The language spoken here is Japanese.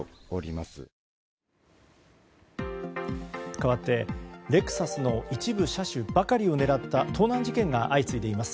かわって、レクサスの一部車種ばかりを狙った盗難事件が相次いでいます。